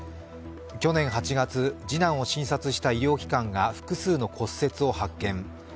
去年８月、次男を診察した医療機関が複数の骨折を発見。